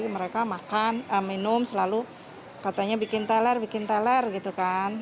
mereka makan minum selalu katanya bikin teler bikin teler gitu kan